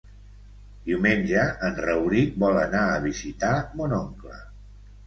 Diumenge en Rauric vol anar a visitar mon oncle.